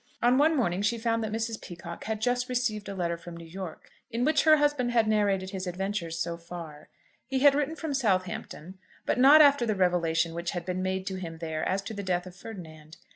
On one morning she found that Mrs. Peacocke had just received a letter from New York, in which her husband had narrated his adventures so far. He had written from Southampton, but not after the revelation which had been made to him there as to the death of Ferdinand.